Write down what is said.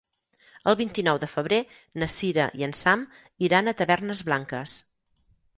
El vint-i-nou de febrer na Cira i en Sam iran a Tavernes Blanques.